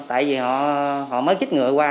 tại vì họ mới chích ngựa qua